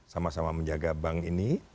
sama sama menjaga bank ini